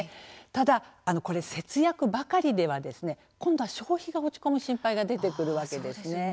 ただ、節約ばかりでは今度は消費が落ち込む心配が出てくるわけですね。